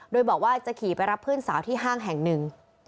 โดยบอกว่าจะขี่ไปรับเพื่อนสาวที่ห้างแห่งหนึ่ง